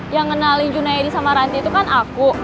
yang ngenalin junaidi sama ranti itu kan aku